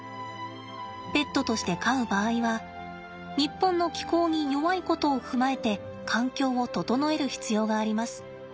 ペットとして飼う場合は日本の気候に弱いことを踏まえて環境を整える必要があります。